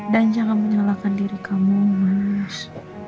dan jangan menyalahkan diri kamu mas